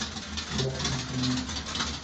Leather nació en Manchester.